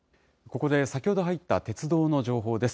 ここで先ほど入った鉄道の情報です。